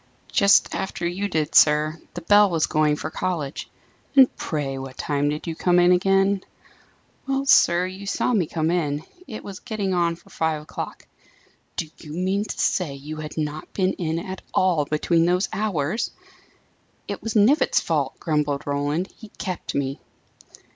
"Just after you did, sir. The bell was going for college." "And pray what time did you come in again?" "Well, sir, you saw me come in. It was getting on for five o'clock." "Do you mean to say you had not been in at all, between those hours!" "It was Knivett's fault," grumbled Roland. "He kept me."